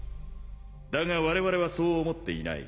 だが我々はそう思っていない。